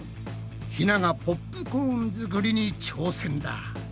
ひながポップコーン作りに挑戦だ。